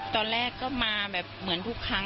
ตอนแรกก็มาแบบเหมือนทุกครั้ง